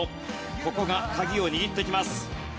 ここが鍵を握ってきます。